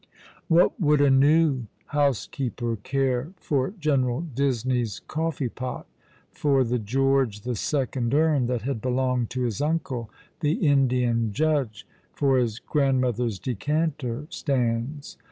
"What would a new housekeeper care for General Disney's coffee pot, for the George the Second urn that had belonged to his uncle the Indian judge, for his grandmother's decanter stands